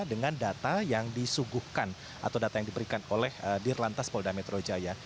dengan data yang disuguhkan atau data yang diberikan oleh dirlantas polda metro jaya